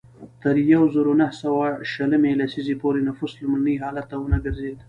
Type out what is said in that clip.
تر یوه زرو نهه سوه شلمې لسیزې پورې نفوس لومړني حالت ته ونه ګرځېد.